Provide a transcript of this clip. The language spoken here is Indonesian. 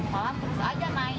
malah terus aja naik